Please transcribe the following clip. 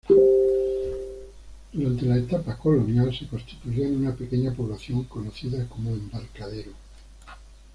Durante la etapa colonial, se constituyó en una pequeña población conocido como "Embarcadero".